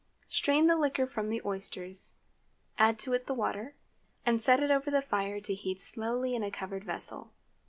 Strain the liquor from the oysters, add to it the water, and set it over the fire to heat slowly in a covered vessel.